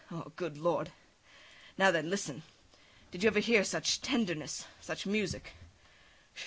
Oh! Good Lord! Now then, listen! Did you ever hear such tenderness, such music?